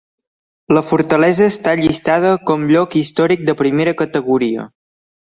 La fortalesa està llistada com Lloc Històric de Primera Categoria.